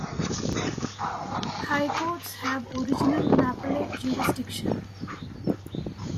High courts have original and appellate jurisdiction.